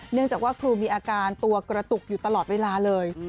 เนื่องจากว่าครูมีอาการตัวกระตุกอยู่ตลอดเวลาเลย